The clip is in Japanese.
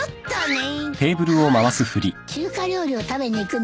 ああ中華料理を食べに行くのね。